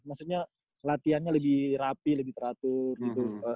maksudnya latihannya lebih rapi lebih teratur gitu